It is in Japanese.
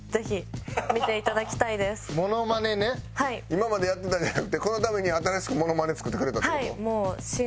今までやってたんじゃなくてこのために新しくモノマネ作ってくれたって事？